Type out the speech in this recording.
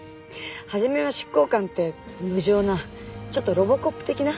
初めは執行官って無情なちょっとロボコップ的な？